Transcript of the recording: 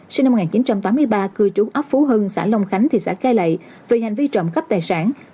sinh năm một nghìn chín trăm tám mươi ba cư trú ấp phú hưng xã long khánh thị xã cai lệ về hành vi trộm cắp tài sản